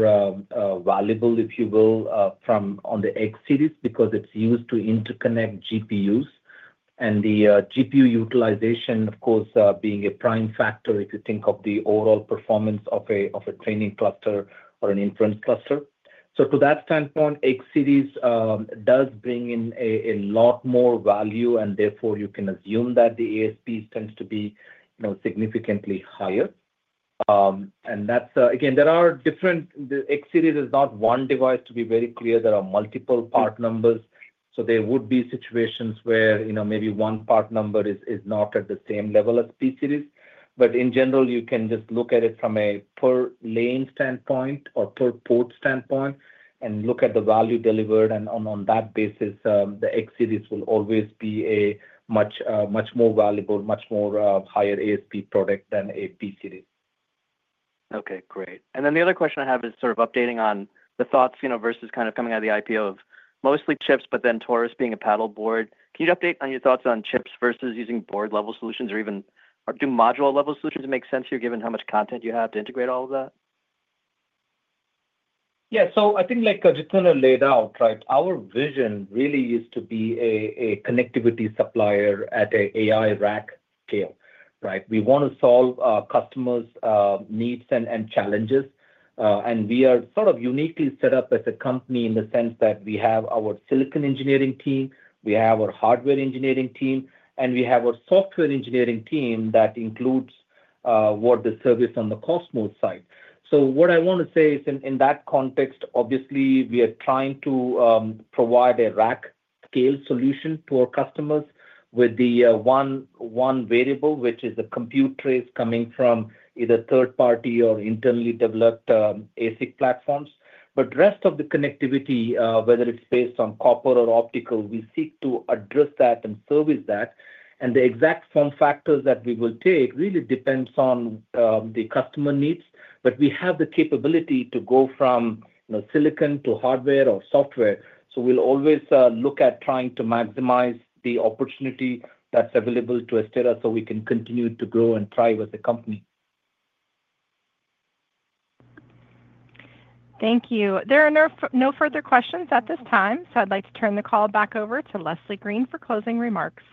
valuable, if you will, on the X-Series because it is used to interconnect GPUs. The GPU utilization, of course, being a prime factor if you think of the overall performance of a training cluster or an inference cluster. To that standpoint, X-Series does bring in a lot more value, and therefore, you can assume that the ASPs tend to be significantly higher. Again, there are different X-Series; it is not one device, to be very clear. There are multiple part numbers. There would be situations where maybe one part number is not at the same level as P-Series. In general, you can just look at it from a per lane standpoint or per port standpoint and look at the value delivered. On that basis, the X-Series will always be a much more valuable, much more higher ASP product than a P-Series. Okay. Great. The other question I have is sort of updating on the thoughts versus kind of coming out of the IPO of mostly chips, but then Taurus being a paddleboard. Can you update on your thoughts on chips versus using board-level solutions or even do module-level solutions make sense here, given how much content you have to integrate all of that? Yeah. I think like Jitendra laid out, right, our vision really is to be a connectivity supplier at an AI rack scale, right? We want to solve customers' needs and challenges. We are sort of uniquely set up as a company in the sense that we have our silicon engineering team, we have our hardware engineering team, and we have our software engineering team that includes what the service on the COSMOS side. What I want to say is in that context, obviously, we are trying to provide a rack scale solution to our customers with the one variable, which is a compute trace coming from either third-party or internally developed ASIC platforms. The rest of the connectivity, whether it's based on copper or optical, we seek to address that and service that. The exact form factors that we will take really depends on the customer needs. We have the capability to go from silicon to hardware or software. We will always look at trying to maximize the opportunity that's available to Astera so we can continue to grow and thrive as a company. Thank you. There are no further questions at this time. I would like to turn the call back over to Leslie Green for closing remarks.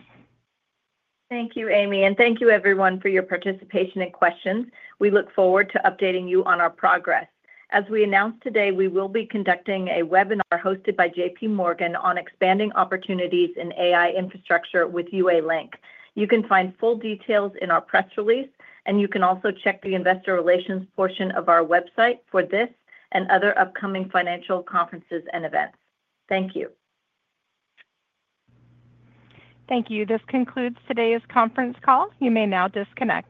Thank you, Amy. Thank you, everyone, for your participation and questions. We look forward to updating you on our progress. As we announced today, we will be conducting a webinar hosted by JPMorgan on expanding opportunities in AI infrastructure with UALink. You can find full details in our press release, and you can also check the investor relations portion of our website for this and other upcoming financial conferences and events. Thank you. Thank you. This concludes today's conference call. You may now disconnect.